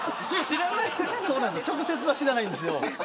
直接は知らないんです。